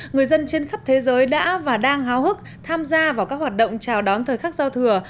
người dân trên khắp thế giới đã và đang háo hức tham gia vào các hoạt động chào đón thời khắc giao thừa